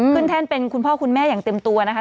แท่นเป็นคุณพ่อคุณแม่อย่างเต็มตัวนะคะ